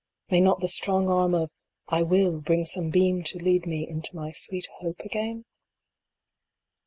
DYING. in May not the strong arm of " I will," bring some beam to lead me inio my sweet Hope again